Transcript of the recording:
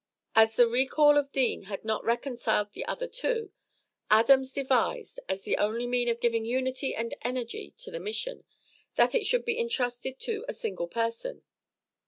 As the recall of Deane had not reconciled the other two, Adams devised, as the only means of giving unity and energy to the mission, that it should be intrusted to a single person.